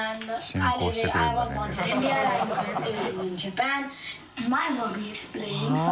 進行してくれるんだね。